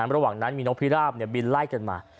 ระหว่างนั้นมีนกพิราบบินไล่กันมา